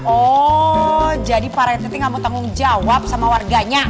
oh jadi pak rete ini gak mau tanggung jawab sama warganya